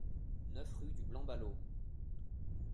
neuf rue du Blanc Ballot